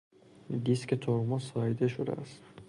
دیسک ترمز ساییده شده است.